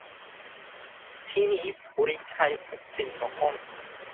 তিনি পরীক্ষায় উত্তীর্ণ হন।